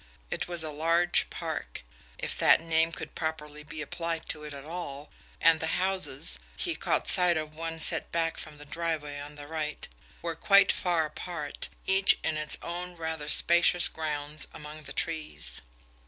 It was a large park, if that name could properly be applied to it at all, and the houses he caught sight of one set back from the driveway on the right were quite far apart, each in its own rather spacious grounds among the trees.